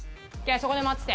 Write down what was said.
そこで待ってて。